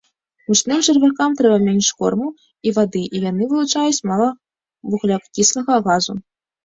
Мучным чарвякам трэба менш корму і вады, і яны вылучаюць мала вуглякіслага газу.